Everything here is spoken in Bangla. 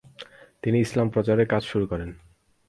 তিনি ইসলাম প্রচারের কাজ শুরু করেন।